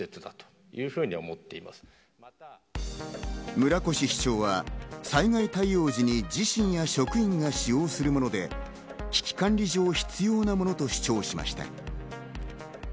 村越市長は災害対応時に自身や職員が使用するもので、危機管理上必要なものと主張しました。